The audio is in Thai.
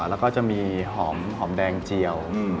แล้วก็จะมีหอมแดงเจียว